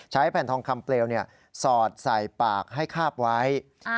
แผ่นทองคำเปลวสอดใส่ปากให้คาบไว้